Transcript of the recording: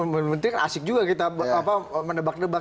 menteri kan asik juga kita mendebak debak